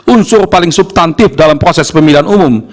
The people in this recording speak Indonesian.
unsur paling subtantif dalam proses pemilihan umum